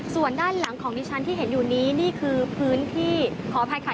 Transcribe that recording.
ส่วนด้านหลังของดิฉันที่เห็นอยู่นี้นี่คือพื้นที่ขออภัยค่ะ